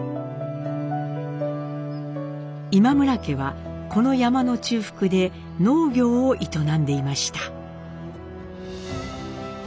今村家はこの山の中腹で農業を営んでいました。